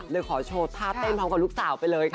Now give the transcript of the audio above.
เลยขอโชว์ท่าเต้นพร้อมกับลูกสาวไปเลยค่ะ